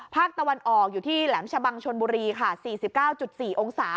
ภาคตะวันออกอยู่ที่แหลมชะบังชนบุรีค่ะ๔๙๔องศา